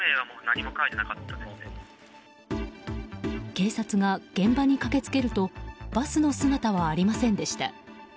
警察が現場に駆けつけるとバスの姿はありませんでした。